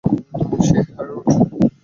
হেই, Harold!